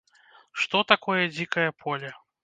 Што такое дзікае поле?